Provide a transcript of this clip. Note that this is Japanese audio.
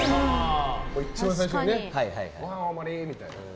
一番最初にご飯大盛りみたいな。